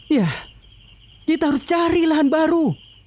ya kita harus cari lahan baru